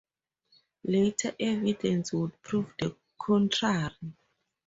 Later evidence would prove the contrary.